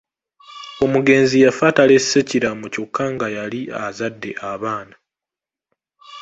Omugenzi yafa talese kiraamo kyokka nga yali azadde abaana.